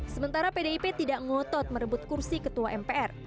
sementara pdip tidak ngotot merebut kursi ketua mpr